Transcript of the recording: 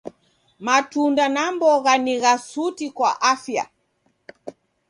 Matunda na mbogha ni gha suti kwa afya.